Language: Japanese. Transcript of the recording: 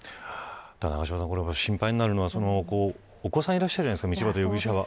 永島さん、心配になるのはお子さんがいらっしゃるじゃないですか、道端容疑者は。